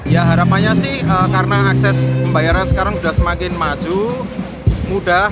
ya harapannya sih karena akses pembayaran sekarang sudah semakin maju mudah